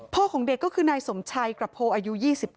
ของเด็กก็คือนายสมชัยกระโพอายุ๒๙